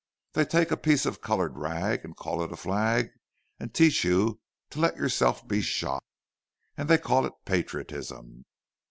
They take a piece of coloured rag and call it the flag and teach you to let yourself be shot—and they call it _patriotism!